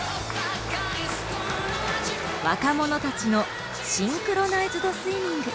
若者たちのシンクロナイズドスイミング。